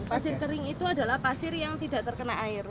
pasir kering itu adalah pasir yang tidak terkena air